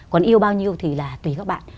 còn yêu bao nhiêu thì là tùy các bạn